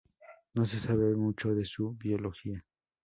No se sabe mucho de su biología.